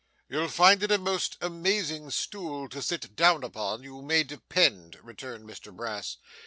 'You'll find it a most amazing stool to sit down upon, you may depend,' returned Mr Brass.